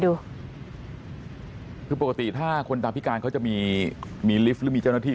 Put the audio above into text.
ดูคือปกติถ้าคนตาพิการเขาจะมีมีลิฟต์หรือมีเจ้าหน้าที่